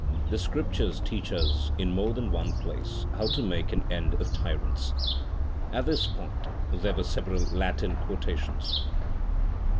The scriptures teach us in more than one place how to make an end of tyrants" (at this point there were several Latin quotations).